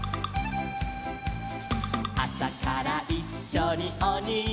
「あさからいっしょにおにぎり」